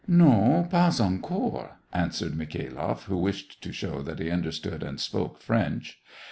"Non, pas encore," answered Mikha'ilofiF, who wished to show that he understood and spoke French.